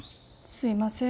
すいません。